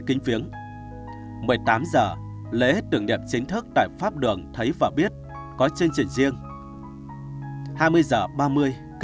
chương trình tại pháp đường tránh điểm